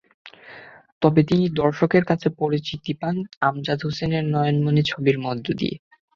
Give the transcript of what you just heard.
তবে তিনি দর্শকদের কাছে পরিচিতি পান আমজাদ হোসেনের নয়নমণি ছবির মধ্য দিয়ে।